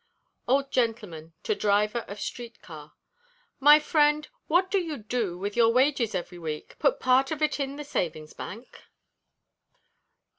Old Gentleman (to driver of street car): "My friend, what do you do with your wages every week put part of it in the savings bank?"